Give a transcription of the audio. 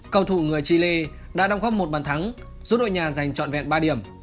cầu thủ người chile đã đóng góp một bàn thắng giúp đội nhà giành trọn vẹn ba điểm